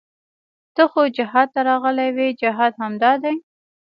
ته خو جهاد ته راغلى وې جهاد همدا دى.